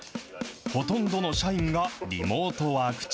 ほとんどの社員がリモートワーク中。